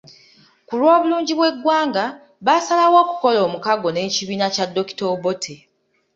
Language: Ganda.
Ku lw’obulungi bw’eggwanga, baasalawo okukola omukago n’ekibiina kya Dr. Obote.